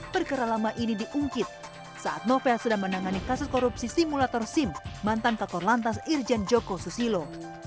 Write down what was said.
perkara lama ini diungkit saat novel sedang menangani kasus korupsi simulator sim mantan kakor lantas irjen joko susilo